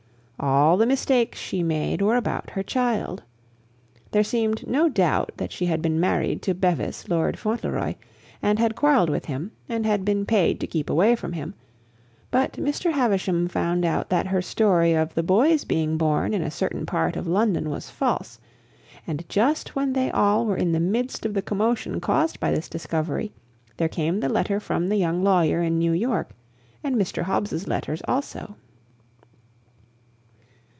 All the mistakes she made were about her child. There seemed no doubt that she had been married to Bevis, Lord Fauntleroy, and had quarreled with him and had been paid to keep away from him; but Mr. Havisham found out that her story of the boy's being born in a certain part of London was false; and just when they all were in the midst of the commotion caused by this discovery, there came the letter from the young lawyer in New York, and Mr. Hobbs's letters also.